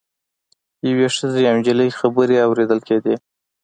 یوې ښځې او نجلۍ خبرې اوریدل کیدې.